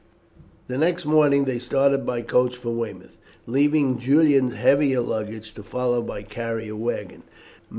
The next morning they started by coach for Weymouth, leaving Julian's heavier luggage to follow by carrier waggon.